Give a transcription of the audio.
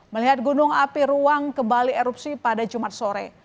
melihat gunung api ruang kembali erupsi pada jumat sore